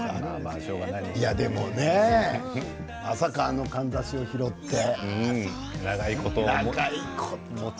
でもね、まさかあのかんざしを拾って長いこと。